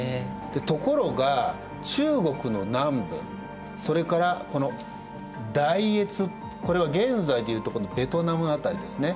ところが中国の南部それからこの大越これは現在でいうとこのベトナムの辺りですね。